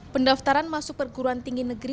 pendaftaran masuk perguruan tinggi negeri